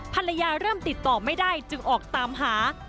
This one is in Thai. ภรรยาเริ่มติดต่อไม่ได้จึงออกตามหา